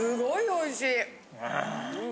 おいしい。